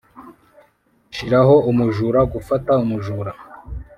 shiraho umujura gufata umujura.